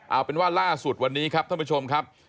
เอาเป็นว่าล่าสุดวันนี้ครับท่านผู้ชมครับ